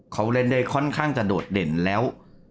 เขาเล่นได้ค่อนข้างจะโดดเด่นแล้ว